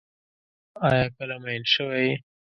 آیا کله مئین شوی یې؟